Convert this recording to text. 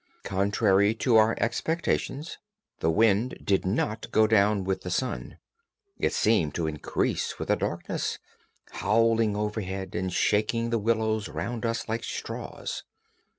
Contrary to our expectations, the wind did not go down with the sun. It seemed to increase with the darkness, howling overhead and shaking the willows round us like straws.